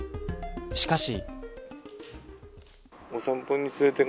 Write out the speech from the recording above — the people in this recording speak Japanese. しかし。